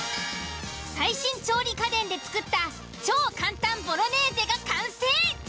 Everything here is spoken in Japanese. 最新調理家電で作った超簡単ボロネーゼが完成。